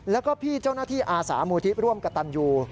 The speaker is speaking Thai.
แล้วก็พี่เจ้าหน้าที่อาสามูลที่ร่วมกับตันยู